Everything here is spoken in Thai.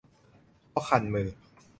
เพราะคันมือ